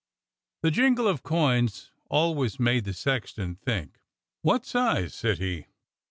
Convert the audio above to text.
The jingle of coins always made the sexton think. "Wot size? "said he.